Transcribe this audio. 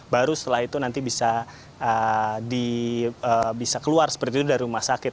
baru setelah itu nanti bisa keluar seperti itu dari rumah sakit